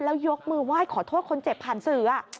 แล้วยกมือไหว้ขอโทษคนเจ็บผ่านสื่อ